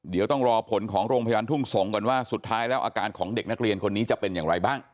เดี๋ยวต้องรอผลของโรงพยาบาลทุ่งสงศ์ก่อนว่าสุดท้ายแล้วอาการของเด็กนักเรียนคนนี้จะเป็นอย่างไรบ้าง